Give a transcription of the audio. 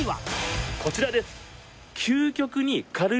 こちらです！